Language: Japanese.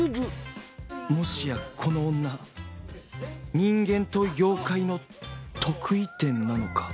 もしやこの女人間と妖怪の特異点なのか？